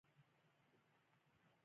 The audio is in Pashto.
دا د غریبو په حق کې لوی ظلم دی.